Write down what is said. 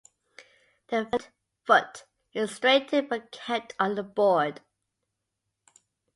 The front foot is straightened but kept on the board.